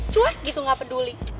cuek gitu gak peduli